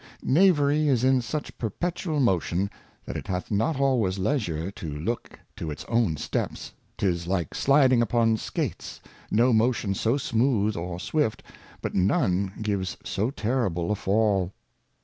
Knavery is in such perpetual Motion, that it hath not always Leisure to look to its own Steps ; 'tis like sliding upon Scates, no Motion so smooth or swift^ but none gives so terrible a Fall.